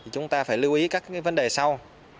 chúng ta phải lưu ý các vấn đề sau